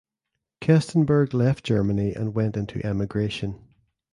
Kestenberg left Germany and went into emigration.